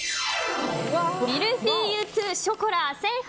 ミルフィーユトゥショコラ